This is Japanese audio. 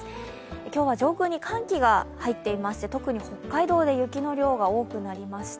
今日は上空に寒気が入っていまして、特に北海道で雪の量が多くなりました。